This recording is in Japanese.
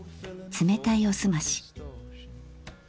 冷たいおすまし。